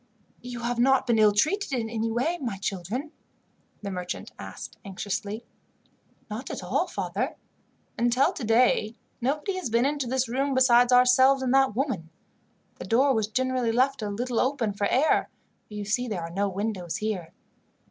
"You have not been ill treated in any way, my children?" the merchant asked anxiously. "Not at all, father. Until today, nobody has been into this room besides ourselves and that woman. The door was generally left a little open for air, for you see there are no windows here.